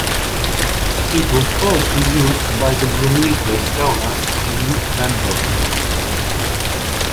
It was also used by the Granitas Kaunas team handball club.